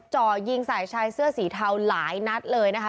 จ่อยิงใส่ชายเสื้อสีเทาหลายนัดเลยนะคะ